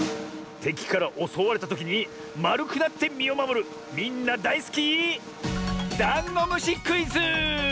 てきからおそわれたときにまるくなってみをまもるみんなだいすきダンゴムシクイズ！